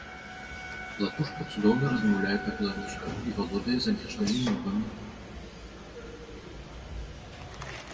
Латушка цудоўна размаўляе па-беларуску і валодае замежнымі мовамі.